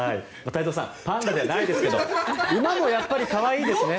太蔵さんパンダじゃないですけど馬もやっぱり可愛いですね。